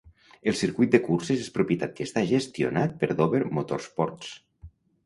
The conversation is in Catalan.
El circuit de curses és propietat i està gestionat per Dover Motorsports.